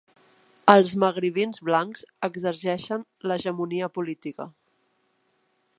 Els magribins blancs exerceixen l'hegemonia política.